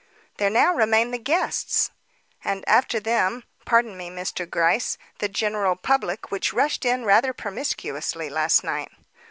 "There now remain the guests." "And after them (pardon me, Mr. Gryce) the general public which rushed in rather promiscuously last night."